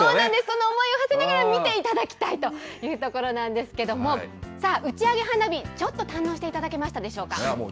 その思いをはせながら見ていただきたいというところなんですけれども、さあ、打ち上げ花火、ちょっと堪能していただけましたでしょうか。